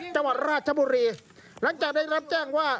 จังหวัดราชบุรีหลังจากได้รับแจ้งว่า